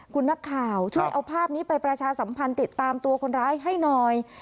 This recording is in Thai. คุณนักข่าวช่วยเอาภาพนี้ไปประชาสัมพันธ์ติดตามตัวคนร้ายให้หน่อย